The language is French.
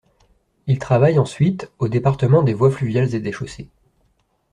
Il travaille ensuite au Département des voies fluviales et des chaussées.